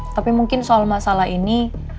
tapi mungkin soal masalah ini